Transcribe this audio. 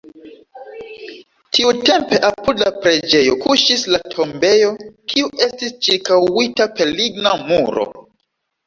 Tiutempe apud la preĝejo kuŝis la tombejo, kiu estis ĉirkaŭita per ligna muro.